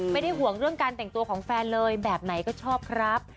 ไม่ได้ห่วงเรื่องการแต่งตัวของแฟนเลยแบบไหนก็ชอบครับ